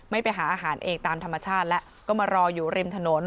ไปหาอาหารเองตามธรรมชาติแล้วก็มารออยู่ริมถนน